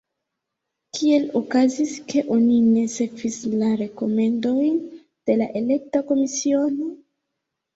Kiel okazis, ke oni ne sekvis la rekomendojn de la elekta komisiono?